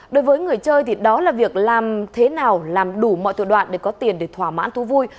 đối với người chơi thì đó là việc làm thế nào làm đủ mọi thủ đoạn để có tiền để thỏa mãn thú vui